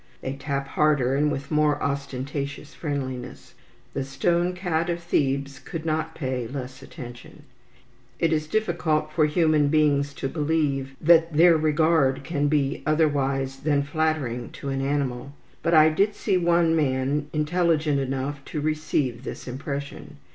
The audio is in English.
They tap harder, and with more ostentatious friendliness. The stone cat of Thebes could not pay less attention. It is difficult for human beings to believe that their regard can be otherwise than flattering to an animal; but I did see one man intelligent enough to receive this impression.